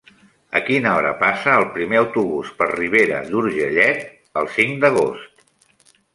A quina hora passa el primer autobús per Ribera d'Urgellet el cinc d'agost?